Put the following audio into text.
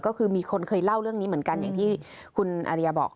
ก็คือมีคนเคยเล่าเรื่องนี้เหมือนกันอย่างที่คุณอริยาบอก